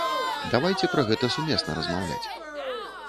Давайце пра гэта сумесна размаўляць.